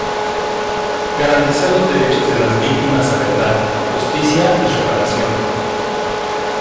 Garantizar los derechos de las víctimas a verdad, justicia y reparación.